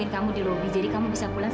eh kalau gitu kak mila pulang